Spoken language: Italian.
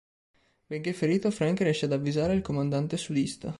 Benché ferito, Frank riesce ad avvisare il comandante sudista.